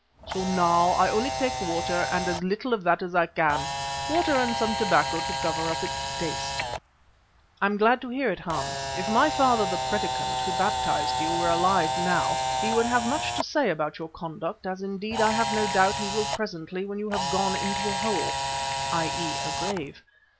So now I only take water and as little of that as I can, water and some tobacco to cover up its taste." "I am glad to hear it, Hans. If my father, the Predikant who baptised you, were alive now, he would have much to say about your conduct as indeed I have no doubt he will presently when you have gone into a hole (i.e., a grave).